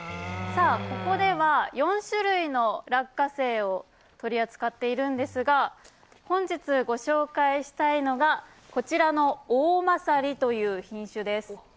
ここでは４種類の落花生を取り扱っているんですが、本日ご紹介したいのが、こちらのおおまさりという品種です。